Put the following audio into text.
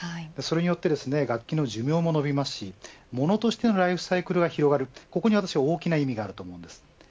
それによって楽器の寿命も延びますしものとしてのライフサイクルが広がるここに大きな意味があると思います。